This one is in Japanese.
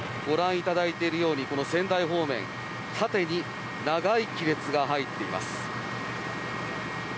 ご覧いただいているようにこの仙台方面縦に長い亀裂が入っています。